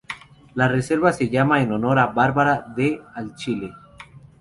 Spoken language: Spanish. La reserva se llama en honor a Bárbara D´Achille.